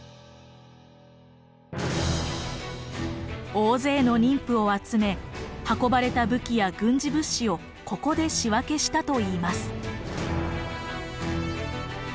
大勢の人夫を集め運ばれた武器や軍事物資をここで仕分けしたといいます。